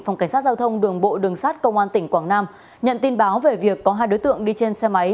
phòng cảnh sát giao thông đường bộ đường sát công an tỉnh quảng nam nhận tin báo về việc có hai đối tượng đi trên xe máy